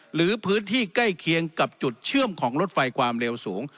หรือพื้นที่ใกล้เคียงกับจุดเชื่อมของรถไฟความเร็วสูง